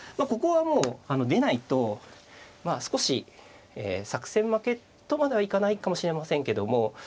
ここはもう出ないと少し作戦負けとまではいかないかもしれませんけども。